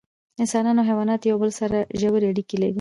انسانان او حیوانات د یو بل سره ژوی اړیکې لري